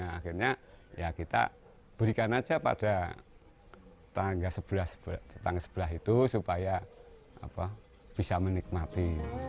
akhirnya kita berikan saja pada tangga sebelah itu supaya bisa menikmati